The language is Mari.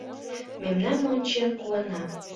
Мемнам ончен куана.